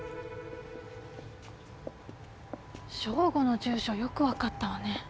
ＳＨＯＧＯの住所よく分かったわね。